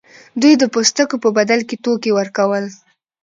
دوی د پوستکو په بدل کې توکي ورکول.